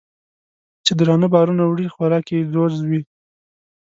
چې درانه بارونه وړي خوراک یې ځوځ وي